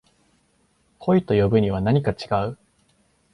恋と呼ぶにはなにか違う